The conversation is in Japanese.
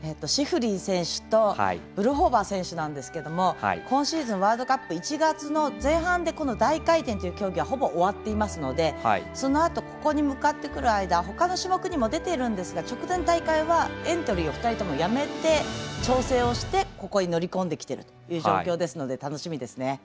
シフリン選手とブルホバー選手なんですけど今シーズンワールドカップ、１月の前半でこの大回転という競技はほぼ終わっていますのでそのあとここに向かってくる間ほかの種目にも出ているんですが直前の大会はエントリーを２人ともやめて調整をして、ここに乗り込んできている状況なので楽しみですね。